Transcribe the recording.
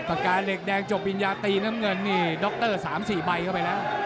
สกายเหล็กแดงจบอินยาตีน้ำเงินนี่ด๊อคเตอร์๓๔ใบเข้าไปแล้ว